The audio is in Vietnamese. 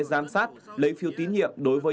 giám sát lấy phiêu tín nhiệm đối với